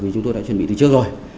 vì chúng tôi đã chuẩn bị từ trước rồi